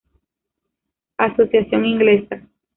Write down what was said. Asociación inglesa.